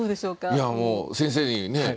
いやもう先生にね。